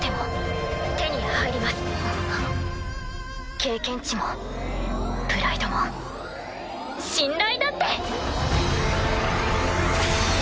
経験値もプライドも信頼だって！